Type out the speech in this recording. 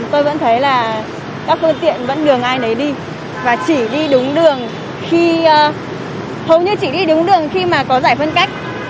tôi vẫn thấy là các phương tiện vẫn đường ai đấy đi và chỉ đi đúng đường khi mà có giải phân cách